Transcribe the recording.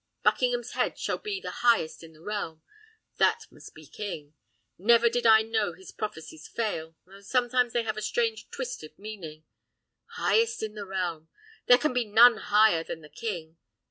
Buckingham's head shall be the highest in the realm! That must be king. Never did I know his prophecies fail, though sometimes they have a strange twisted meaning. Highest in the realm! There can be none higher than the king!